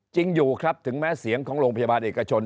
จริงอยู่ครับถึงแม้เสียงของโรงพยาบาลเอกชน